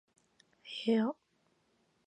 部屋